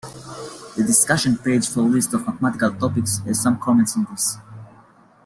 The discussion page for list of mathematical topics has some comments on this.